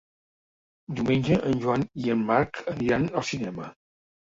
Diumenge en Joan i en Marc aniran al cinema.